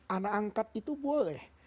anak angkat itu boleh